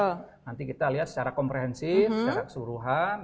jadi nanti kita lihat secara komprehensif secara keseluruhan